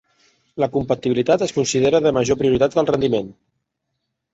La compatibilitat es considera de major prioritat que el rendiment.